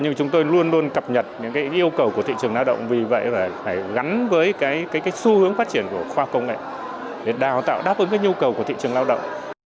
nhưng chúng tôi luôn luôn cập nhật những yêu cầu của thị trường lao động vì vậy phải gắn với xu hướng phát triển của khoa công nghệ để đào tạo đáp ứng cái nhu cầu của thị trường lao động